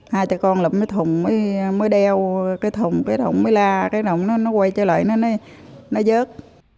hai cha con lập cái thùng mới đeo cái thùng cái đầu nó mới la cái đầu nó quay trở lại nó dớt